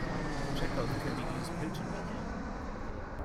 Chekov can be used potently here.